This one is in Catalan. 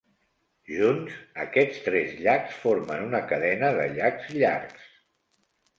Junts, aquests tres llacs formen una cadena de llacs llargs.